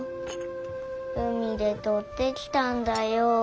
海でとってきたんだよ。